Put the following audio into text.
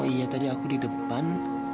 iya tadi aku di depan